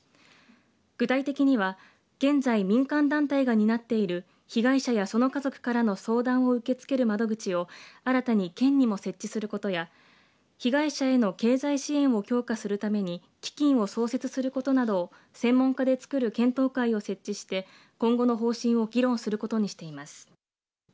具体的には現在民間団体が担っている被害者やその家族からの相談を受け付ける窓口を新たに県にも設置することや被害者への経済支援を強化するために基金を創設することなどを専門家でつくる検討会を設置して今後の方針を議論することにしています。